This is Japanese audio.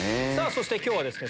そして今日はですね